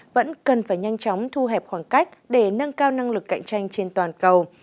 vẫn cần phải nhanh chóng thu hẹp khoảng cách để nâng cao năng lực cạnh tranh trên toàn cầu